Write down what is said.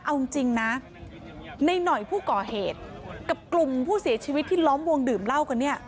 เอาจริงนะในหน่อยผู้ก่อเหตุกับกลุ่มผู้เสียชีวิตที่ล้อมวงดื่มเหล้ากันเนี่ย